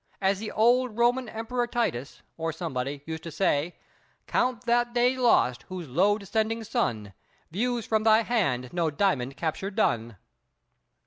As the old Roman Emperor Titus, or somebody, used to say: "Count that day lost whose low descending sun Views from thy hand no diamond capture done!"